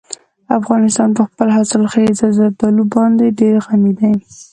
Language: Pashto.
افغانستان په خپلو حاصلخیزه زردالو باندې ډېر غني دی.